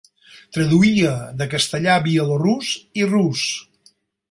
Traduïa de castellà a bielorús i rus.